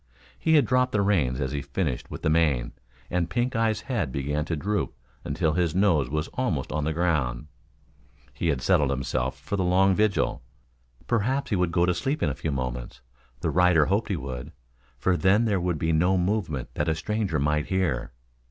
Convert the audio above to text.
He had dropped the reins as he finished with the mane, and Pink eye's head began to droop until his nose was almost on the ground. He had settled himself for the long vigil. Perhaps he would go to sleep in a few moments. The rider hoped he would, for then there would be no movement that a stranger might hear.